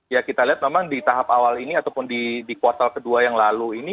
ya kita lihat memang di tahap awal ini ataupun di kuartal kedua yang lalu ini